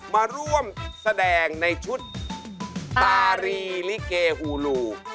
มาร่วมแสดงในชุดตารีลิเกฮูลู